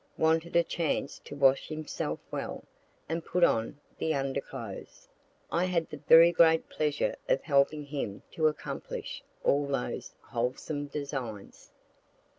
Wanted a chance to wash himself well, and put on the underclothes. I had the very great pleasure of helping him to accomplish all those wholesome designs.